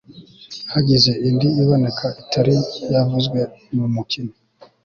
hagize indi iboneka itari yavuzwe mu mukino